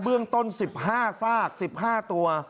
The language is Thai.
เรื่องต้น๑๕ซาก๑๕ตัว